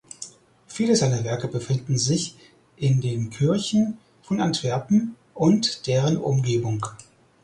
Viele seiner Werke befinden sich in den Kirchen von Antwerpen und deren Umgebung.